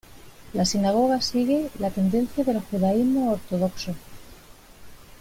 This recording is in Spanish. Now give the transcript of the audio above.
La sinagoga sigue la tendencia del judaísmo ortodoxo.